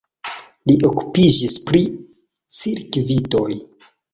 Li okupiĝis pri cirkvitoj.